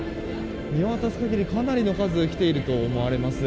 見渡す限り、かなりの数来ていると思われます。